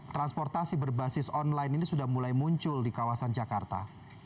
transportasi berbasis online ini sudah mulai muncul di kawasan jakarta